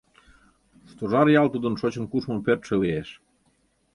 Стожар ял тудын шочын-кушмо пӧртшӧ лиеш.